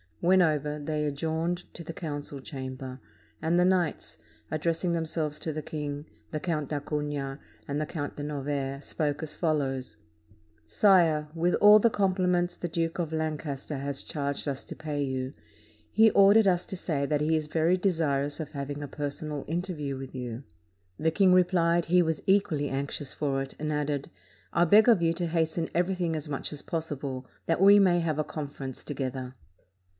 When over, they adjourned to the council chamber, and the knights, addressing themselves to the king, the Count d'Acunha and the Count de Novaire spoke as follows: "Sire, with all the compliments the Duke of Lancaster has charged us to pay you, he ordered us to say that he is very desir ous of having a personal interview with you." The king replied, he was equally anxious for it, and added, "I beg of you to hasten everything as much as possible, that we may have a conference together."